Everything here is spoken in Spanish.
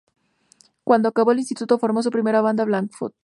Cuando acabó el instituto, formó su primera banda, Blackfoot.